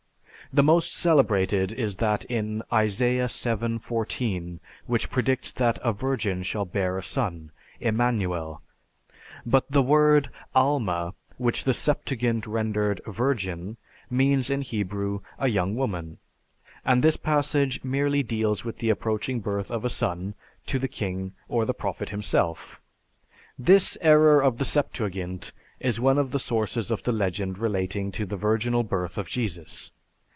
The most celebrated is that in Isaiah VII, 14, which predicts that a virgin shall bear a son, Emmanuel, but the word, Al mah, which the Septuagint rendered "virgin" means in Hebrew a young woman, and this passage merely deals with the approaching birth of a son to the king or the prophet himself. This error of the Septuagint is one of the sources of the legend relating to the virginal birth of Jesus.